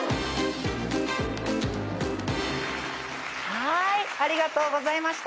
はーいありがとうございました。